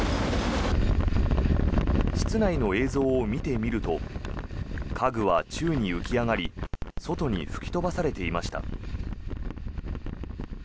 室内の映像を見てみると家具は宙に浮き上がり外に吹き飛ばされていきました。